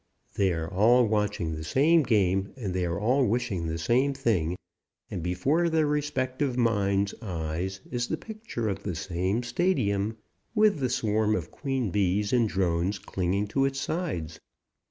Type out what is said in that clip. They are all watching the same game and they are all wishing the same thing and before their respective minds' eyes is the picture of the same stadium, with the swarm of queen bees and drones clinging to its sides.